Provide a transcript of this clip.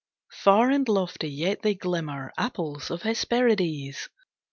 Far and lofty yet they glimmer, Apples of Hesperides!